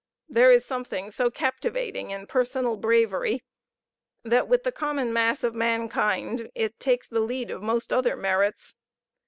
There is something so captivating in personal bravery that, with the common mass of mankind, it takes the lead of most other merits.